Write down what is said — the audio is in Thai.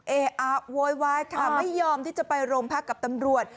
เออะโวยวายค่ะไม่ยอมที่จะไปโรงพักกับตำรวจ